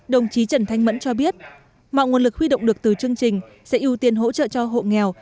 đồng chí trần thanh mẫn cho biết mọi nguồn lực huy động được từ chương trình sẽ ưu tiên hỗ trợ cho hộ nghèo